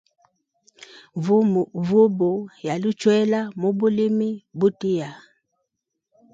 Mvubu yalʼuchwela mubulimi butia.